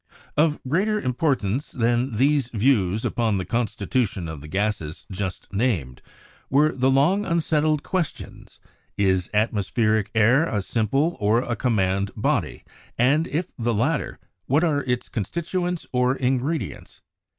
Of greater importance than these views upon the con stitution of the gases just named were the long unsettled questions, "Is atmospheric air a simple or a compound body, and — if the latter — what are its constituents or in gredients?"